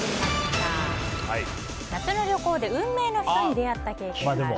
夏の旅行で運命の人に出会った経験がある？